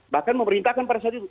bahkan memerintahkan para sadius